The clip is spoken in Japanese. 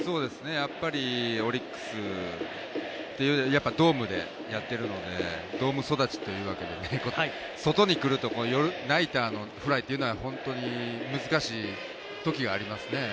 オリックスというドームでやっているので、ドーム育ちということで、外に来るとナイターのフライというのは本当に難しいときがありますね。